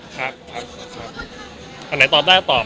ใช่นี่ครับ